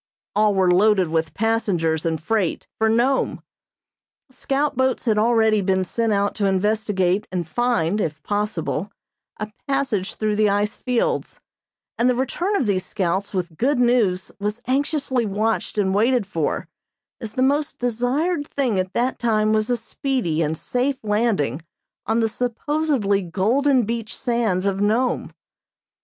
All were loaded with passengers and freight for Nome. Scout boats had already been sent out to investigate and find, if possible, a passage through the ice fields, and the return of these scouts with good news was anxiously watched and waited for, as the most desired thing at that time was a speedy and safe landing on the supposedly golden beach sands of Nome.